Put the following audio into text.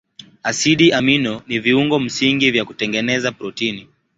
Asidi amino ni viungo msingi vya kutengeneza protini.